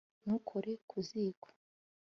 ntukore ku ziko